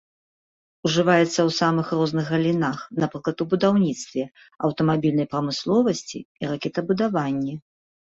Ужываецца ў самых розных галінах, напрыклад у будаўніцтве, аўтамабільнай прамысловасці і ракетабудаванні.